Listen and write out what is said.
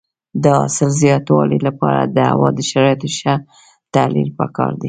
د حاصل د زیاتوالي لپاره د هوا د شرایطو ښه تحلیل پکار دی.